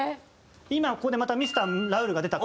今ここでまたミスターラウールが出た。